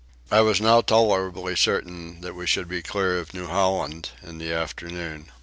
I was now tolerably certain that we should be clear of New Holland in the afternoon.